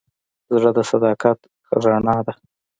زړه د صداقت رڼا ده.